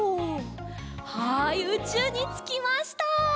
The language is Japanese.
はいうちゅうにつきました。